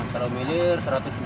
kalau milir satu ratus lima puluh